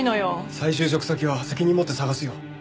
再就職先は責任持って探すよ。